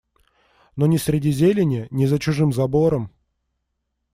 Но ни среди зелени, ни за чужим забором